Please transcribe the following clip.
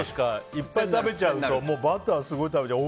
いっぱい食べちゃうとバターすごい食べちゃう。